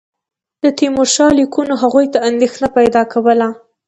د تیمورشاه لیکونو هغوی ته اندېښنه پیدا کوله.